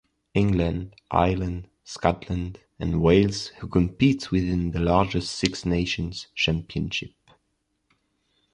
England, Ireland, Scotland, and Wales who compete within the larger Six Nations Championship.